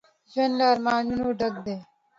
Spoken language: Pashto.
ژوند له ارمانونو ډک دی